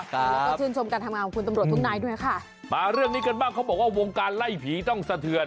เขาบอกว่าวงการไล่ผีต้องสะเทือน